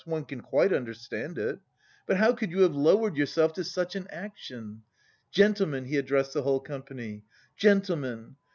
One can quite understand it.... But how could you have lowered yourself to such an action? Gentlemen," he addressed the whole company, "gentlemen!